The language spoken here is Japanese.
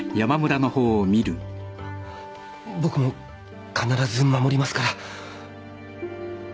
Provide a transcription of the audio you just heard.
僕も必ず守りますから。